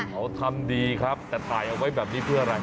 เขาทำดีครับแต่ถ่ายเอาไว้แบบนี้เพื่ออะไร